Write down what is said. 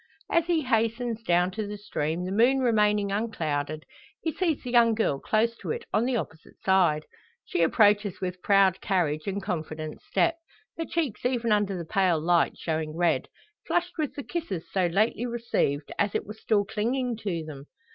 As he hastens down to the stream, the moon remaining unclouded, he sees the young girl close to it on the opposite side. She approaches with proud carriage, and confident step, her cheeks even under the pale light showing red flushed with the kisses so lately received, as it were still clinging to them.